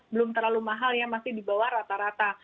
belum terlalu mahal masih dibawa rata rata